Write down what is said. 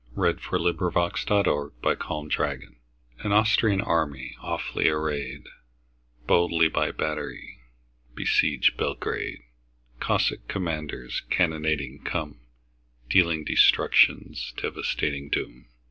U V . W X . Y Z The Siege of Belgrade AN Austrian army, awfully arrayed, Boldly by battery besieged Belgrade. Cossack commanders cannonading come, Dealing destruction's devastating doom.